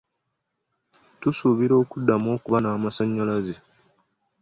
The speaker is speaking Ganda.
Tusuubira okuddamu okuba n'amasannyalaze.